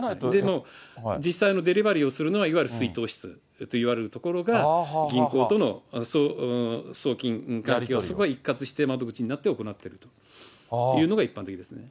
実際のデリバリーをするのは、いわゆる出納室といわれるところが、銀行との送金とか、そこが一括して窓口になって行っているというのが一般的ですね。